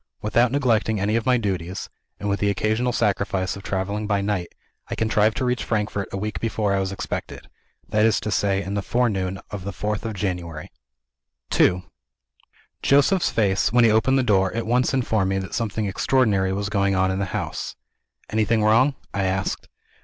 Without neglecting any of my duties (and with the occasional sacrifice of traveling by night), I contrived to reach Frankfort a week before I was expected that is to say, in the forenoon of the fourth of January. II Joseph's face, when he opened the door, at once informed me that something extraordinary was going on in the house. "Anything wrong?" I asked.